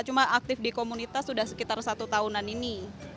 cuma aktif di komunitas sudah sekitar satu tahunan ini